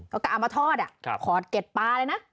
เอากล้ามาทอดอ่ะขอเก็บปลาเลยนะ